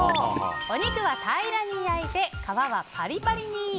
お肉は平らに焼いて皮はパリパリに！